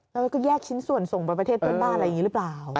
แล้วก็แยกชิ้นส่วนส่งไปประเทศเพื่อนบ้านอะไรอย่างนี้หรือเปล่า